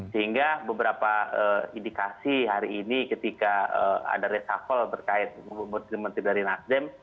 sehingga beberapa indikasi hari ini ketika ada resafal berkait dengan menteri menteri dari nasdem